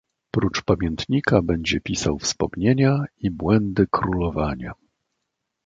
"Prócz pamiętnika będzie pisał wspomnienia i błędy królowania."